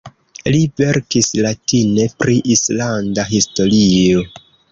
Li verkis latine pri islanda historio.